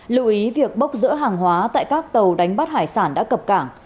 lưu ý việc bốc rỡ hàng hóa tại các tàu đánh bắt hải sản đã cập cảng